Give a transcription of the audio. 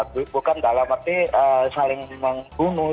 bukan dalam arti saling membunuh